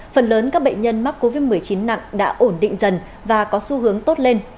phần lớn các bệnh nhân mắc covid một mươi chín nặng đã ổn định dần và có xu hướng tốt lên